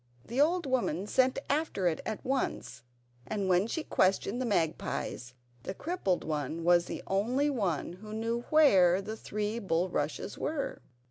The old woman sent after it at once, and when she questioned the magpies the crippled one was the only one who knew where the three bulrushes were.